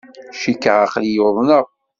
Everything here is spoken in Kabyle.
Cikkeɣ aql-iyi uḍneɣ.